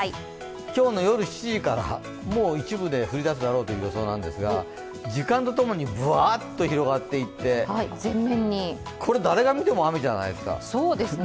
今日の夜７時からもう一部で降りだすだろうという予想なんですが、時間と共にぶわっと広がっていって、これ、誰が見ても雨じゃないですか。